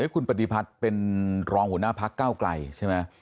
คุณปฏิพัฒน์เป็นรองหัวหน้าพักเก้าไกลใช่ไหม